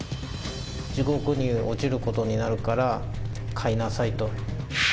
地獄に落ちることになるから、買いなさいと。